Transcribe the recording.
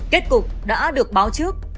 kết cục đã được báo trước